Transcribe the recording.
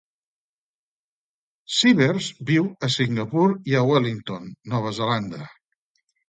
Sivers viu a Singapur i a Wellington, Nova Zelanda.